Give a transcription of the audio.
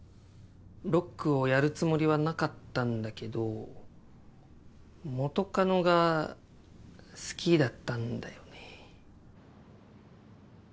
ロックをやるつもりはなかったんだけど元カノが好きだったんだよね。